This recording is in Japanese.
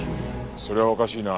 それはおかしいな。